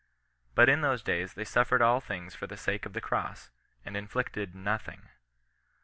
But in those days they suffered all things for the sake of the cross, and inflicted nothing.